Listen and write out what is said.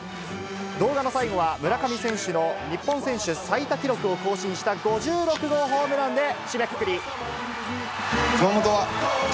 動画の最後は村上選手の日本選手最多記録を更新した５６号ホームランで締めくくり。